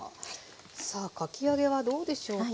さあかき揚げはどうでしょうか。